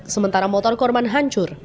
sementara motor korban hancur